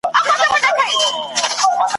ترانه راڅخه غواړي